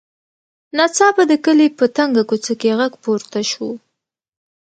ناڅاپه د کلي په تنګه کوڅه کې غږ پورته شو.